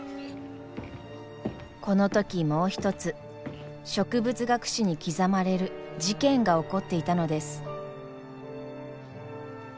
この時もう一つ植物学史に刻まれる事件が起こっていたのです。